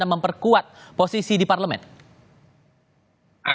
dan memperkuat posisi di pemerintahan